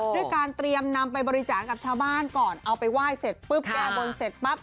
ด้วยการเตรียมนำไปบริจาคกับชาวบ้านก่อนเอาไปไหว้เสร็จปุ๊บแก้บนเสร็จปั๊บ